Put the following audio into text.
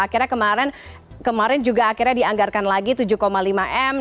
akhirnya kemarin juga akhirnya dianggarkan lagi tujuh lima m